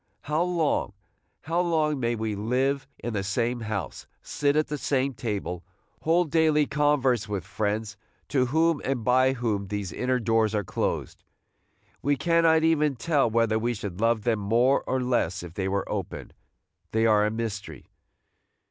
How long, how long we may live in the same house, sit at the same table, hold daily converse with friends to whom and by whom these inner doors are closed! We cannot even tell whether we should love them more or less if they were open, – they are a mystery.